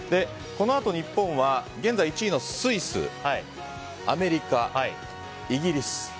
このあと日本は現在１位のスイス、アメリカイギリス